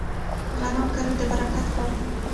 غنم کرل د برکت کار دی.